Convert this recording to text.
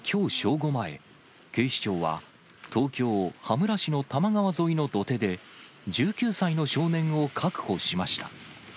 午前、警視庁は、東京・羽村市の多摩川沿いの土手で、１９歳の少年を確保しました。